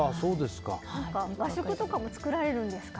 和食とかも作られるんですか？